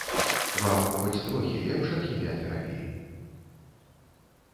Вам хоць трохі лепш ад хіміятэрапіі?